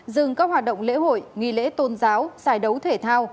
dừng các hoạt động lễ hội nghi lễ tôn giáo giải đấu thể thao